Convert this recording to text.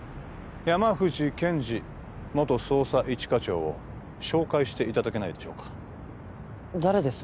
山藤憲治元捜査一課長を紹介していただけないでしょうか誰です？